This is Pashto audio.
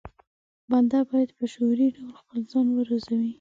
بنده بايد په شعوري ډول خپل ځان وروزي.